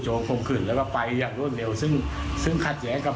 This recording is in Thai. คมขืนแล้วก็ไปอย่างรวดเร็วซึ่งซึ่งขัดแย้งกับ